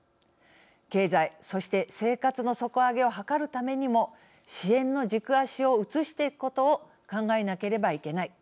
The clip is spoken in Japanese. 経済、そして生活の底上げを図るためにも支援の軸足を移していくことを考えなければいけない。